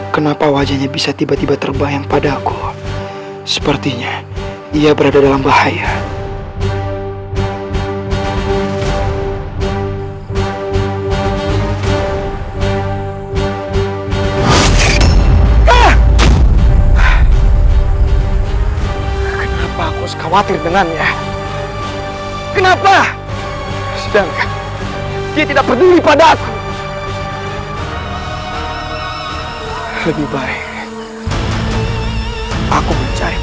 sampai jumpa di video selanjutnya